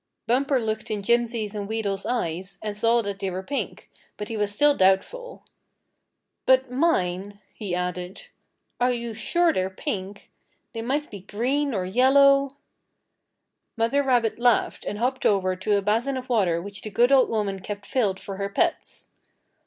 Bumper looked in Jimsy's and Wheedle's eyes, and saw they were pink, but he was still doubtful. "But mine," he added, "are you sure they're pink? They might be green or yellow " Mother rabbit laughed and hopped over to a basin of water which the good old woman kept filled for her pets.